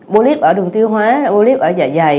bô líp ở đường tiêu hóa bô líp ở dạ dày